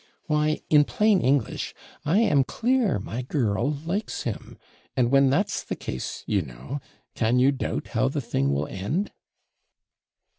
Why, in plain English, I am clear my girl likes him; and when that's the case, you know, can you doubt how the thing will end?'